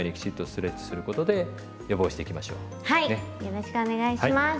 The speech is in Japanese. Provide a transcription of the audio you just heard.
よろしくお願いします。